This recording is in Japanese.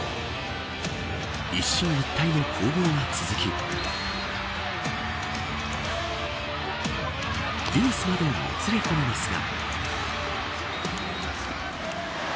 一進一退の攻防が続きデュースまでもつれ込みますが。